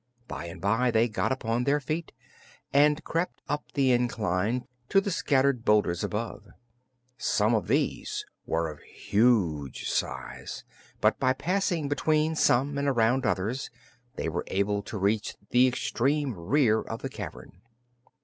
By and by they got upon their feet and crept up the incline to the scattered boulders above. Some of these were of huge size, but by passing between some and around others, they were able to reach the extreme rear of the cavern.